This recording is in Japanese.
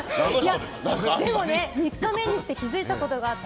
でもね、３日目にして気づいたことがあって。